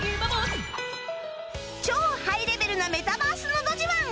超ハイレベルなメタバースのど自慢！